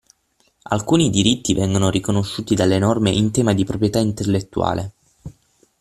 Alcuni diritti vengono riconosciuti dalle norme in tema di proprietà intellettuale.